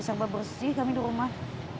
sampah bersih kami di rumah